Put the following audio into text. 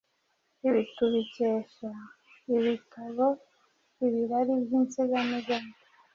Ibi tubikesha igitabo Ibirari by’insigamigani,